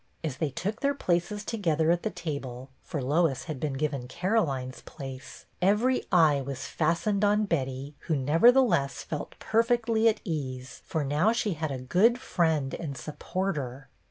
As they took their places together at the table — for Lois had been given Caroline's place — every eye was fastened on Betty who, nevertheless, felt perfectly at ease, for now she had a good friend and supporter.